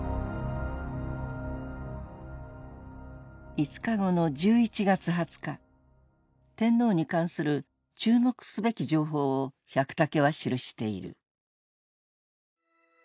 ５日後の１１月２０日天皇に関する注目すべき情報を百武は記している。